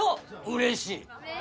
うれしい。